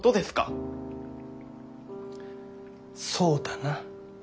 そうだな。